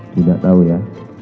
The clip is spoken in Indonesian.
tidak tahu ya